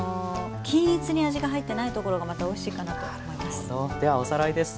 均一に味が入ってないところがまたおいしいかなと思います。